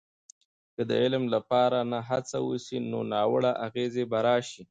که د علم لپاره نه هڅه وسي، نو ناوړه اغیزې به راسي.